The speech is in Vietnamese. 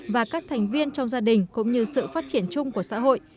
và các thành viên trong gia đình cũng như sự phát triển chung của xã hội